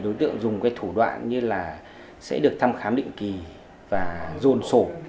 đối tượng dùng cái thủ đoạn như là sẽ được thăm khám định kỳ và rồn sổ